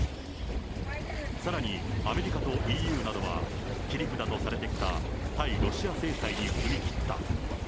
さらにアメリカとＥＵなどは、切り札とされてきた対ロシア制裁に踏み切った。